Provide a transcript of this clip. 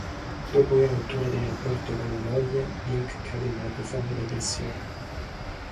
Dopo la rottura del rapporto con la moglie, Pink cade in una profonda depressione.